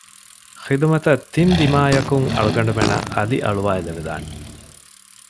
ޚިދުމަތަށް ތިން ދިމާޔަކުން އަޅުގަނޑުމެންނަށް އަލިއަޅުވައިލެވިދާނެ